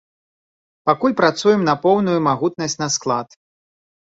Пакуль працуем на поўную магутнасць на склад.